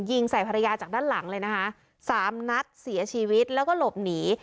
ยิงใส่ภรรยาจากด้านหลังเลยนะคะสามนัดเสียชีวิตแล้วก็หลบหนี